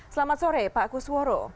selamat sore pak kusworo